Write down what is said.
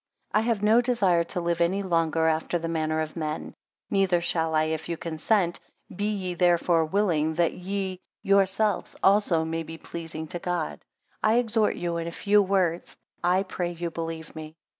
6 I have no desire to live any longer after the manner of men; neither shall I, if you consent. Be ye therefore willing, that ye yourselves also maybe pleasing to God. I exhort you in a few words; I pray you believe me.